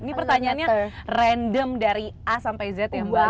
ini pertanyaannya random dari a sampai z ya mbak